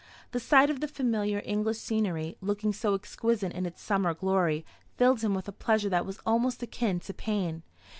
The sight of the familiar English scenery, looking so exquisite in its summer glory, filled him with a pleasure that was almost akin to pain.